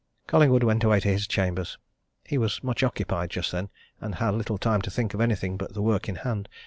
Collingwood went away to his chambers. He was much occupied just then, and had little time to think of anything but the work in hand.